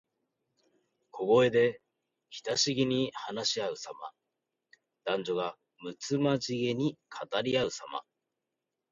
小声で親しげに話しあうさま。男女がむつまじげに語りあうさま。